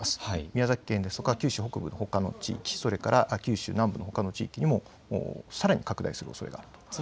宮崎県ですとか九州北部、ほかの地域それから九州南部のほかの地域にもさらに拡大するおそれがあります。